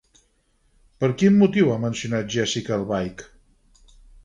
Per quin motiu ha mencionat a Jéssica Albaich?